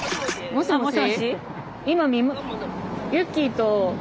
もしもし。